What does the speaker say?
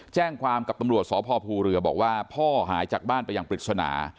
แจ้งความกับตำรวจสพภูเรือบอกว่าพ่อหายจากบ้านไปอย่างปริศนา